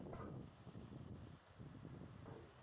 যাও গিয়ে বাসে বসো।